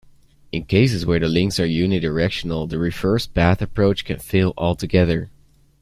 In cases where the links are unidirectional, the reverse path approach can fail altogether.